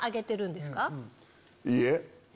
いいえ。